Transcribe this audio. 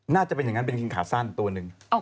น่าจะเป็นอย่างนั้นเป็นคิงขาสั้นตัวหนึ่ง